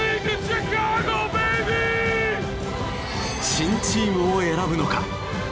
新チームを選ぶのか？